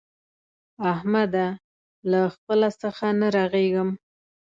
احمده! له خپله څخه نه رغېږي.